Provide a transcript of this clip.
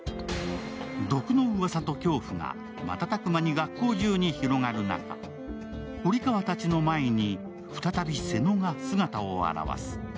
毒のうわさと恐怖が瞬く間に学校中に広がる中、堀川たちの前に再び瀬野が姿を現す。